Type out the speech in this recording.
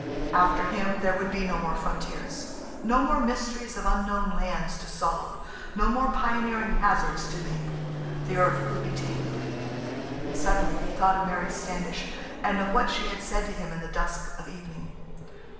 After him, there would be no more frontiers. No more mysteries of unknown lands to solve. No more pioneering hazards to make. The earth would be tamed. And suddenly he thought of Mary Standish and of what she had said to him in the dusk of evening.